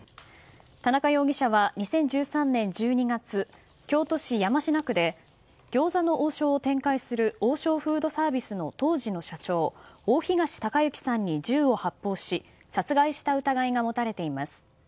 田中容疑者は２０１３年１２月京都市山科区で餃子の王将を展開する王将フードサービスの当時の社長、大東隆行さんに銃を発砲し殺害した疑いが持たれています。